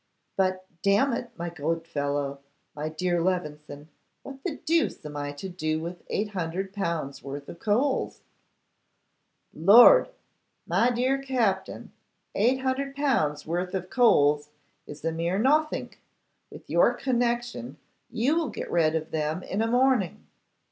'But, damn it, my good fellow, my dear Levison, what the deuce am I to do with 800L. worth of coals?' 'Lord! My dear Captin, 800L. worth of coals is a mere nothink. With your connection, you will get rid of them in a morning.